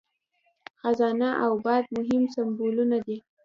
خزانه او باد مهم سمبولونه دي.